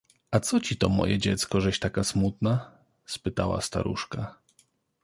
— A co ci to, moje dziecko, żeś taka smutna? — spytała staruszka.